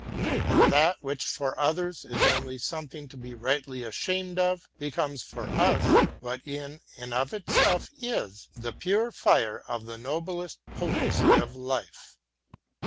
And that which for others is only something to be rightly ashamed of, becomes for us, what in and of itself it is, the pure fire of the noblest potency of life.